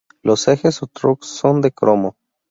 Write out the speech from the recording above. Los ejes o "trucks" son de cromo.